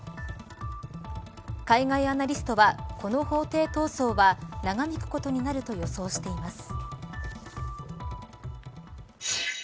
海外アナリストはこの法廷闘争は長引くことになると予想しています。